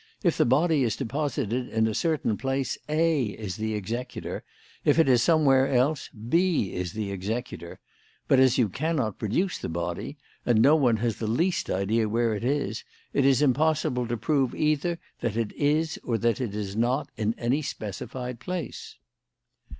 "If the body is deposited in a certain place, A is the executor; if it is somewhere else, B is the executor. But, as you cannot produce the body, and no one has the least idea where it is, it is impossible to prove either that it is or that it is not in any specified place."